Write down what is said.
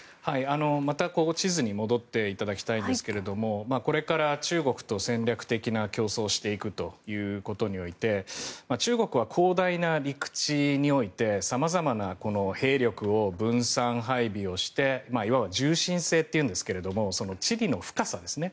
また地図に戻っていただきたいんですがこれから中国と戦略的な競争をしていくということにおいて中国は広大な陸地において様々な兵力を分散配備をしていわば縦深制というんですが地理の深さですね